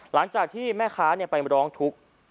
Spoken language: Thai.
หลังจากที่แม่ค้าไปร้องทุกข์